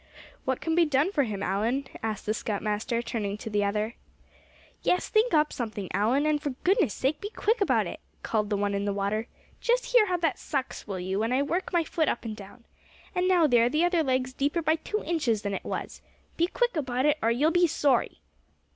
"What can be done for him, Allan?" asked the scoutmaster, turning to the other. "Yes, think up something, Allan; and for goodness sake be quick about it," called the one in the water. "Just hear how that sucks, will you, when I work my foot up and down? And now, there, the other leg's deeper by two inches than it was. Be quick about it, or you'll be sorry."